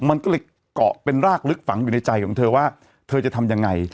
มันก็เลยเกาะเป็นรากลึกฝังอยู่ในใจของเธอว่าเธอจะทำยังไง